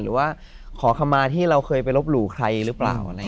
หรือว่าขอคำมาที่เราเคยไปลบหลู่ใครหรือเปล่า